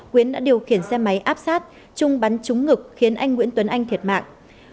quyến đã điều khiển xe máy áp sát chung bắn trúng ngực khiến anh nguyễn tuấn anh thiệt mạng